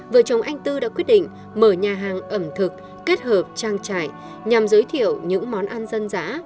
vợ chồng anh tư đã quyết định mở nhà hàng ẩm thực kết hợp trang trại nhằm giới thiệu những món ăn dân dã